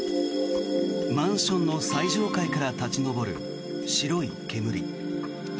マンションの最上階から立ち上る白い煙。